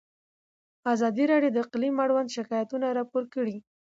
ازادي راډیو د اقلیم اړوند شکایتونه راپور کړي.